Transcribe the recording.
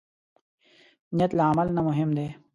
نیت له عمل نه مهم دی.